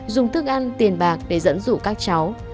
dùng thức ăn tiền bạc để dẫn dụ các cháu